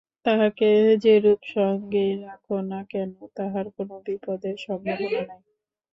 তাহাকে যেরূপ সঙ্গেই রাখো না কেন, তাহার কোন বিপদের সম্ভাবনা নাই।